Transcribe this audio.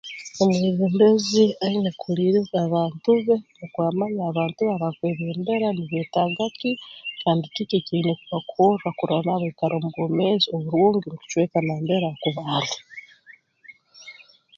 Omwebembezi aine kuhuliiriza abantu be nukwo amanye abantu be aba akwebembera nibeetaaga ki kandi kiki eki aine kubakorra kurora nabo baikara mu bwomeezi oburungi omu kicweka nambere akuba ali